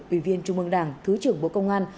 ủy viên trung mương đảng thứ trưởng bộ công an